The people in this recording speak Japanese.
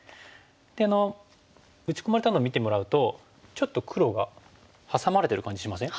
で打ち込まれたのを見てもらうとちょっと黒がハサまれてる感じしません？